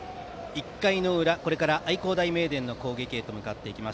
１回の裏、愛工大名電の攻撃へと向かっていきます。